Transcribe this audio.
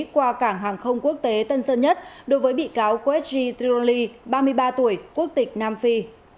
qua cảng hàng không quốc tế tân sân nhất đối với bị cáo qsg triron lee ba mươi ba tuổi quốc tịch nam phi